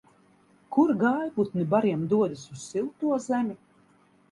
Kur gājputni bariem dodas un silto zemi?